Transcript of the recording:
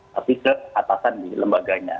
tapi keatasan di lembaganya